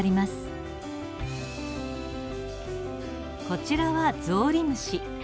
こちらはゾウリムシ。